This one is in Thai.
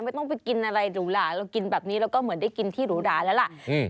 ไม่ต้องไปกินอะไรหรูหลาเรากินแบบนี้เราก็เหมือนได้กินที่หรูหราแล้วล่ะอืม